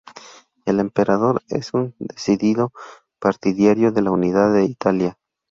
El emperador es un decidido partidario de la unidad de Italia.